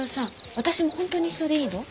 私も本当に一緒でいいの？